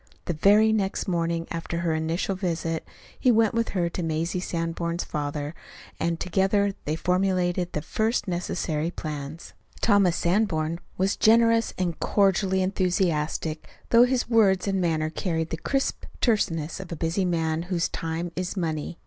The very next morning after her initial visit, he went with her to Mazie Sanborn's father, and together they formulated the first necessary plans. Thomas Sanborn was generous, and cordially enthusiastic, though his words and manner carried the crisp terseness of the busy man whose time is money.